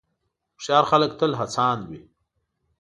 هوښیار خلک تل هڅاند وي.